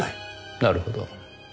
なるほど。